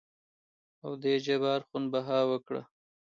او دې جبار خون بها ورکړه.